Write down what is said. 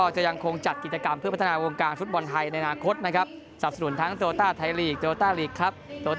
จะยังคงจัดกิจกรรมเพื่อพัฒนาวงการฟุตบอลไทยในอนาคตนะครับดังนั้นนะครับ